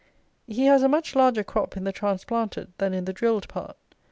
He has a much larger crop in the transplanted than in the drilled part.